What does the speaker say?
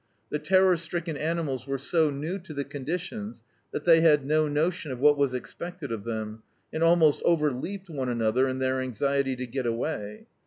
The terror stricken ani mals were so new to the conditions, that they had no notion of what was expected of them, and al most overleaped one another in their anxiety to get away.